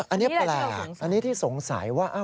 อันนี้แปลกอันนี้ที่สงสัยว่า